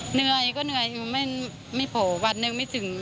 เหนื่อยก็เหนื่อยอยู่ไม่โผล่วันหนึ่งไม่ถึง